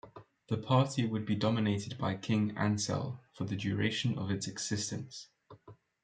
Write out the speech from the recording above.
The party would be dominated by King-Ansell for the duration of its existence.